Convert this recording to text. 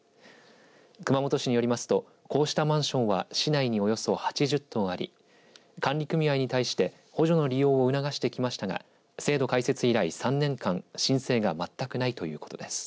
熊本市によりますとこうしたマンションは市内におよそ８０棟あり管理組合に対して補助の利用を促してきましたが制度開設以来３年間、申請が全くないということです。